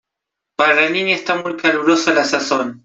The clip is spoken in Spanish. para la Niña está muy calurosa la sazón.